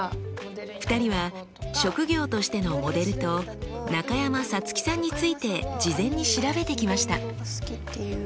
２人は職業としての「モデル」と中山咲月さんについて事前に調べてきました。